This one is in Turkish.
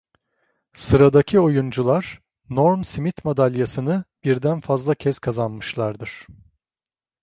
Sıradaki oyuncular, Norm Smith madalyasını birden fazla kez kazanmışlardır.